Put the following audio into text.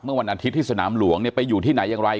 วันอาทิตย์ที่สนามหลวงเนี่ยไปอยู่ที่ไหนอย่างไร